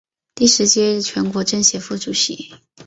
第十届全国政协副主席。